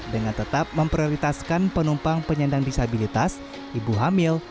dengan tetap memprioritaskan penumpang penyandang disabilitas ibu hamil